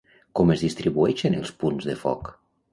Com es distribueixen els punts de foc?